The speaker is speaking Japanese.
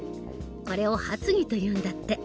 これを発議というんだって。